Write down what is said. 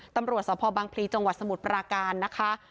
ตำรวจสพบางพลีจสมุทรปราการนะคะ